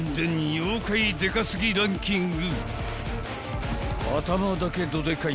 ［妖怪デカすぎランキング］